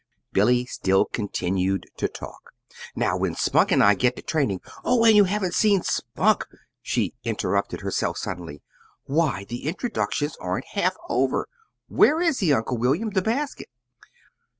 Billy still continued to talk. "Now when Spunk and I get to training oh, and you haven't seen Spunk!" she interrupted herself suddenly. "Why, the introductions aren't half over. Where is he, Uncle William the basket?"